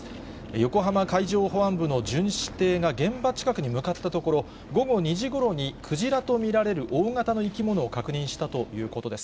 横浜海上保安部の巡視艇が現場近くに向かったところ、午後２時ごろにクジラと見られる大型の生き物を確認したということです。